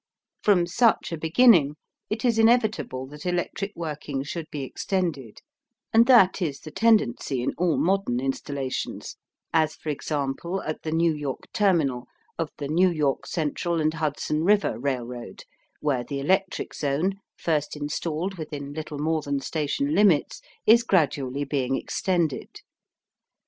From such a beginning it is inevitable that electric working should be extended and that is the tendency in all modern installations, as for example, at the New York terminal of the New York Central and Hudson River Railroad where the electric zone, first installed within little more than station limits, is gradually being extended.